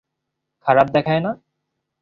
খারাপ দেখায় না?